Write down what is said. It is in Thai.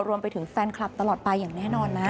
รวมไปถึงแฟนคลับตลอดไปอย่างแน่นอนนะ